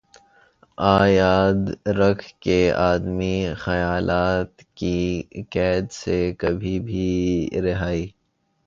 آ۔ یاد رکھ کہ آدمی خیالات کی قید سے کبھی بھی رہائ